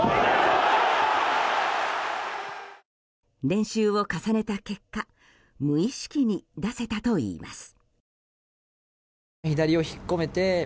練習を重ねた結果無意識に出せたといいます。